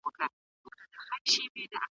لوی پیاز د ښه او ډېر حاصل لامل کېږي.